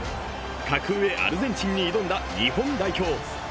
格上・アルゼンチンに挑んだ日本代表。